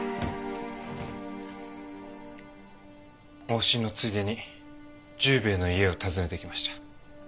往診のついでに十兵衛の家を訪ねてきました。